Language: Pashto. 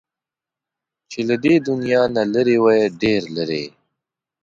چې له دې دنيا نه لرې وای، ډېر لرې